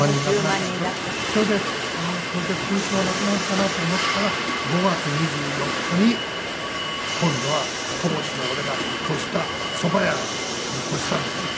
それでああこれで空襲はなくなるかなと思ったら５月２４日に今度は戸越の俺が越したそば屋に越したんですよ。